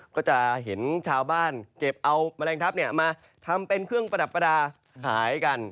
ก็จะเห็นชาวบ้านเก็บเอาแมลงทัพมาทำเป็นเครื่องประดับประดาษหายกัน